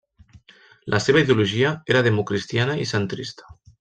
La seva ideologia era democristiana i centrista.